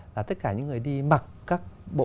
là tất cả những người đi mặc các bộ